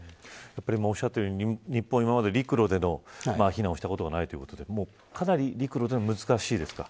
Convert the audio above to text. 今おっしゃっているように日本は今まで陸路での避難をしたことがないということでかなり陸路は難しいですか。